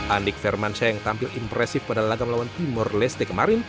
andik firmansyah yang tampil impresif pada lagam lawan timur leste kemarin